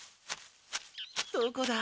どこだ？